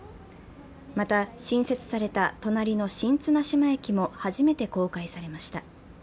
また、新設された隣の新綱島駅も初めて公開されました。